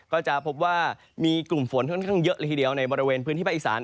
ก็จะพบว่ามีกลุ่มฝนเยอะละทีเดียวในบริเวณไฟ้อีสาน